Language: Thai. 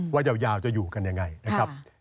ว่ายาวจะอยู่กันยังไงนะครับ